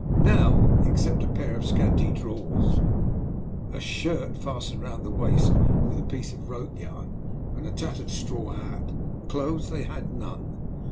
Now, except a pair of scanty drawers, a shirt fastened round the waist with a piece of rope yarn, and a tattered straw hat, clothes they had none.